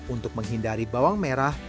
untuk menghindari bawang merah